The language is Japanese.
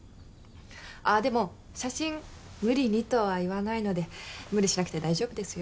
あっでも写真無理にとは言わないので無理しなくて大丈夫ですよ。